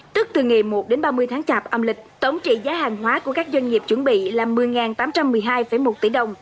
tức từ ngày một đến ba mươi tháng chạp âm lịch tổng trị giá hàng hóa của các doanh nghiệp chuẩn bị là một mươi tám trăm một mươi hai một tỷ đồng